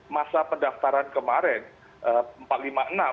masa pendaftaran kemarin